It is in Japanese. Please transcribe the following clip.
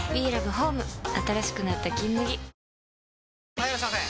・はいいらっしゃいませ！